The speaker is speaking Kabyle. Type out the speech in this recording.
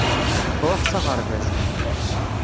Truḥ s aɣerbaz.